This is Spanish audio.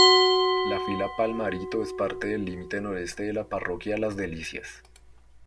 La fila Palmarito es parte del límite Noreste de la Parroquia Las Delicias.